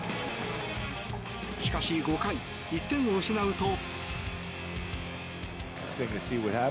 しかし５回、１点を失うと。